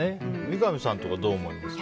三上さんとか、どう思いますか？